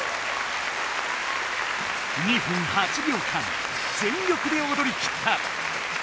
２分８秒間全力でおどりきった。